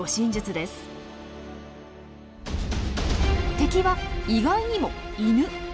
敵は意外にもイヌ。